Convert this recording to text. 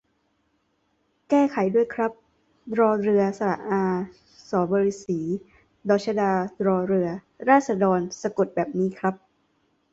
แก้ไขด้วยครับ "ราษฎร" ราด-สะ-ดอน สะกดแบบนี้ครับ